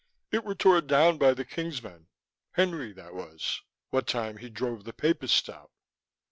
It were tore down by the King's men, Henry, that was, what time he drove the papists out."